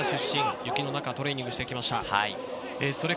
雪の中トレーニングしてきました。